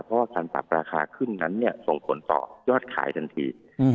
เพราะว่าการปรับราคาขึ้นนั้นส่งผลต่อยอดขายทันที